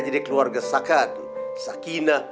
jadi keluarga sakat sakina